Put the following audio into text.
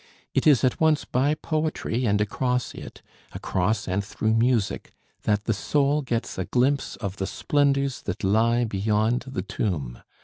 It is at once by poetry and across it, across and through music, that the soul gets a glimpse of the splendors that lie beyond the tomb.